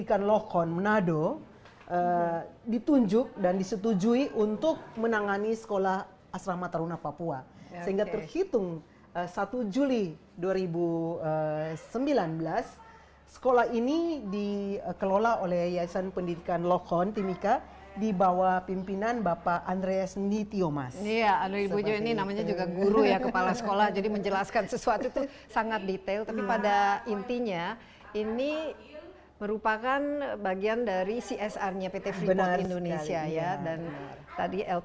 kami senang sekali memiliki anda semua di sini